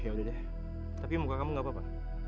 yaudah deh tapi muka kamu nggak apa apa